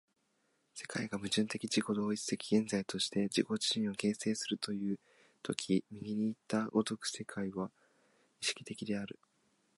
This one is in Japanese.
世界が矛盾的自己同一的現在として自己自身を形成するという時右にいった如く世界は意識的である。